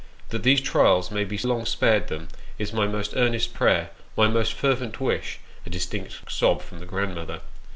" That these trials may be long spared them is my most earnest prayer, my most fervent wish (a distinct sob from the grandmother).